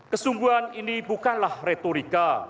kesungguhan ini bukanlah retorika